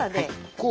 こう？